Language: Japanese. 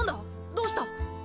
どうした！